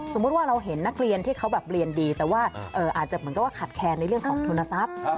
สมมุติว่าเราเห็นนักเรียนที่เขาแบบเรียนดีแต่ว่าอาจจะเหมือนกับว่าขาดแคลนในเรื่องของทุนทรัพย์